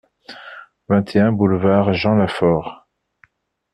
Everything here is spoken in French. vingt et un boulevard Jean Lafaure